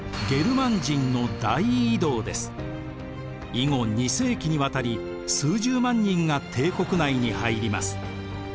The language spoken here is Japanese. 以後２世紀にわたり数十万人が帝国内に入ります。